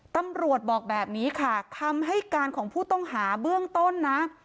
ตำรวจบอกแบบนี้ค่ะคำให้การของผู้ต้องหาเบื้องต้นนะ